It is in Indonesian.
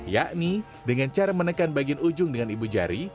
yakni dengan cara menekan bagian ujung dengan ibu jari